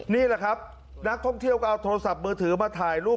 นี่แหละครับนักท่องเที่ยวก็เอาโทรศัพท์มือถือมาถ่ายรูป